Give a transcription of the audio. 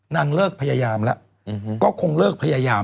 นางเลิกพยายามแล้ว